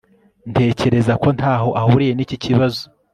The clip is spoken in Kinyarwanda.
ntekereza ko ntaho ahuriye n'iki kibazo